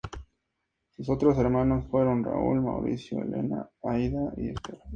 Sus otros hermanos fueron Raúl, Mauricio, Elena, Aída y Esther.